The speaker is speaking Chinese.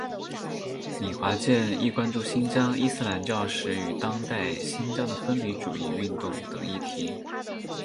米华健亦关注新疆伊斯兰教史与当代新疆的分离主义运动等议题。